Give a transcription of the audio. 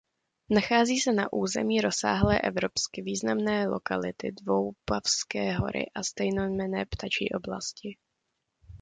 Nachází se na území rozsáhlé evropsky významné lokality Doupovské hory a stejnojmenné ptačí oblasti.